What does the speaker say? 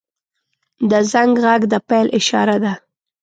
• د زنګ غږ د پیل اشاره ده.